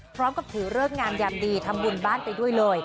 พร้อมกับถือเลิกงามยามดีทำบุญบ้านไปด้วยเลย